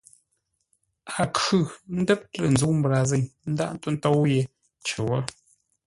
A khʉ̂ ńdə́r lə̂ ńzə́u mbrazîŋ ńdághʼ ńtó ńtóu yé cər wó.